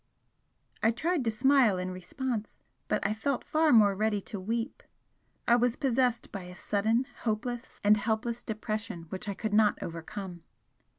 I tried to smile in response, but I felt far more ready to weep. I was possessed by a sudden hopeless and helpless depression which I could not overcome.